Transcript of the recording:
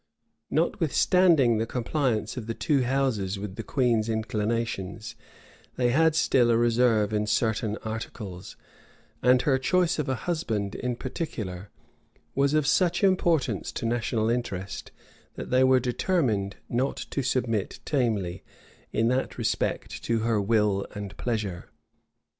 Notwithstanding the compliance of the two houses with the queen's inclinations, they had still a reserve in certain articles; and her choice of a husband, in particular, was of such importance to national interest, that they were determined not to submit tamely, in that respect, to her will and pleasure.